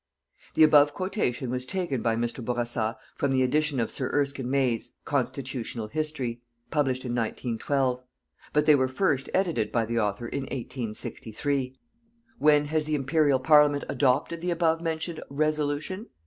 The above quotation was taken by Mr. Bourassa from the edition of Sir Erskine May's "Constitutional History" published in 1912. But they were first edited by the author in 1863. When has the Imperial Parliament adopted the above mentioned "Resolution"?